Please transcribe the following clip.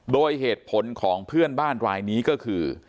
โดยเหตุผลของเพื่อนบ้านรายนี้ก็คือ